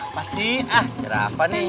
apa sih ah cara apa nih